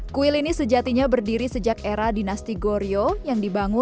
kuil ini sejatinya berdiri sejak era dinasti gorio yang dibangun